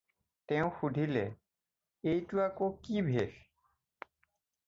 তেওঁ সুধিলে- "এইটো আকৌ কি ভেশ?"